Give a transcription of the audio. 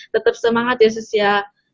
tetap semangat ya sus ya